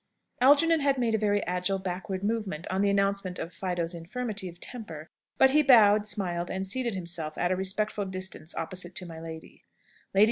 Algernon had made a very agile backward movement on the announcement of Fido's infirmity of temper; but he bowed, smiled, and seated himself at a respectful distance opposite to my lady.